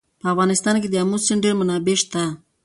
په افغانستان کې د آمو سیند ډېرې منابع شته.